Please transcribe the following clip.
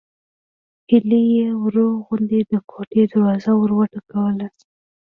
هيلې يې ورو غوندې د کوټې دروازه وروټکوله